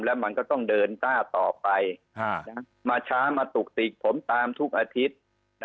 แล้วมันก็ต้องเดินหน้าต่อไปมาช้ามาตุกติกผมตามทุกอาทิตย์